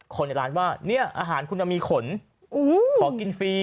คนในร้านว่าเนี่ยอาหารคุณจะมีขนขอกินฟรี